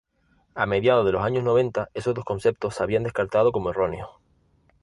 A mediados de los años noventa, esos dos conceptos se habían descartado como erróneos.